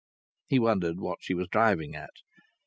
He wondered what she was driving at.